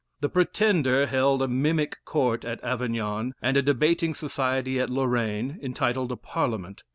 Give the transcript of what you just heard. The Pretender held a mimic court at Avignon, and a debating society at Lorraine, entitled a Parliament.